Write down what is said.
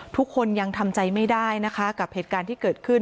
ทุกคนยังทำใจไม่ได้นะคะกับเหตุการณ์ที่เกิดขึ้น